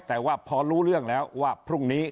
แต่ว่าพอรู้เรื่องแล้วว่าพรุ่งนี้